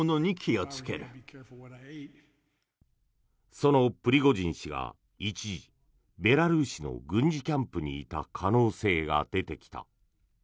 そのプリゴジン氏が一時、ベラルーシの軍事キャンプにいた可能性が出てきた。